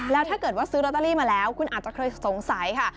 แล้วถ้าเกิดว่าซื้อลอตเตอรี่มาแล้วคุณอาจจะเคยสงสัยค่ะ